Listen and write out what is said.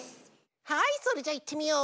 はいそれじゃいってみよう。